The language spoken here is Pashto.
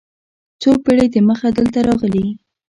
څو پېړۍ دمخه دلته راغلي.